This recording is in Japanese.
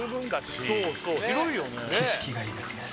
景色がいいですね